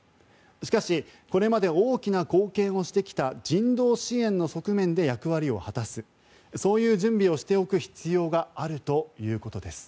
しかし、これまで大きな貢献をしてきた人道支援の側面で役割を果たすそういう準備をしておく必要があるということです。